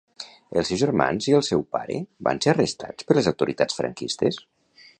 Els seus germans i el seu pare van ser arrestats per les autoritats franquistes?